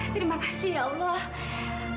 terima kasih ya allah